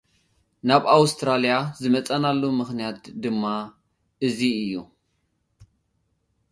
ናብ ኣውስትራልያ ዝመጻእናሉ ምኽንያት ድማ እዚ እዩ።